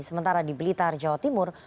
sementara di blitar jawa timur